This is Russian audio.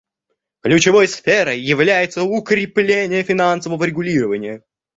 Ключевой сферой является укрепление финансового регулирования.